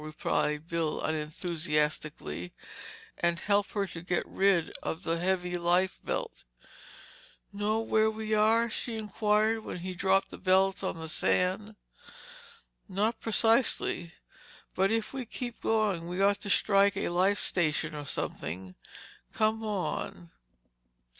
replied Bill unenthusiastically, and helped her to get rid of the heavy life belt. "Know where we are?" she inquired when he had dropped the belts on the sand. "Not precisely. But if we keep going we ought to strike a lifesaving station or something—come on."